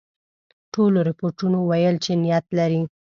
ټولو رپوټونو ویل چې نیت لري.